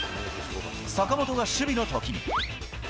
坂本が守備のときに。